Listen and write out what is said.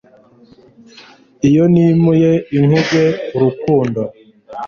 Iyo nimuye inkuge urukundo